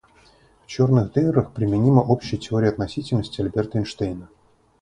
В черных дырах применима общая теория относительности Альберта Эйнштейна.